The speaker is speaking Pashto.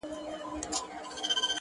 • بوزه چي هم پرېوځي ځای په پښو پاکوي -